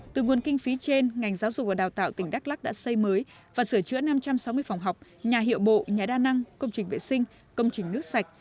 từ nguồn kinh phí trên ngành giáo dục và đào tạo tỉnh đắk lắc đã xây mới và sửa chữa năm trăm sáu mươi phòng học nhà hiệu bộ nhà đa năng công trình vệ sinh công trình nước sạch